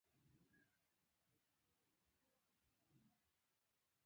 مریان له هر ډول حقونو محروم وو.